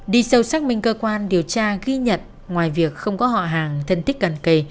đi sâu xác minh cơ quan điều tra ghi nhận ngoài việc không có họ hàng thân thích cận kề